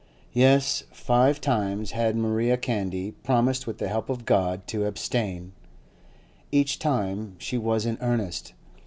Yes, five times had Maria Candy promised, with the help of God, to abstain,' &c. &c. each time she was in earnest.